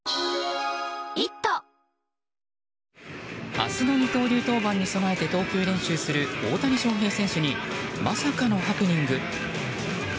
明日の二刀流登板に備えて投球練習する大谷翔平選手にまさかのハプニング。